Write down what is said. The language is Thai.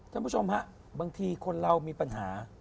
ท่านผู้ชมฮะบางทีคนเรามีปัญหา